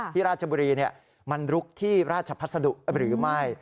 ราชบุรีมันลุกที่ราชพัสดุหรือไม่